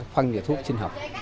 phân và thuốc sinh học